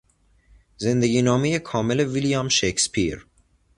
زندگینامهی کامل ویلیام شکسپیر